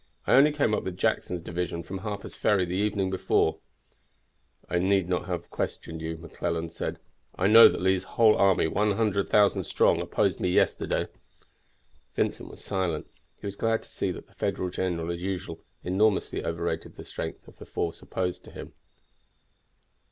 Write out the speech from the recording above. "I only came up with Jackson's division from Harper's Ferry the evening before." "I need not have questioned you," McClellan said. "I know that Lee's whole army, 100,000 strong, opposed me yesterday." Vincent was silent. He was glad to see that the Federal general, as usual, enormously overrated the strength of the force opposed to him.